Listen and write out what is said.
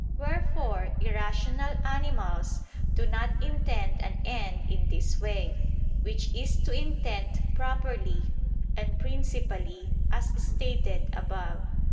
Wherefore irrational animals do not intend an end in this way, which is to intend properly and principally, as stated above (A.